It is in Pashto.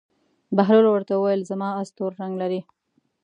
بهلول ورته وویل: زما اس تور رنګ لري.